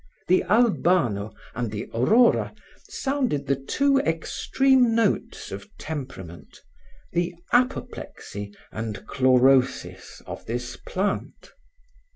The Albano and the Aurora sounded the two extreme notes of temperament, the apoplexy and chlorosis of this plant.